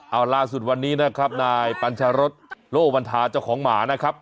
เอาล่าสุดวันนี้นะครับนายปัญชารสโลวันทาเจ้าของหมานะครับ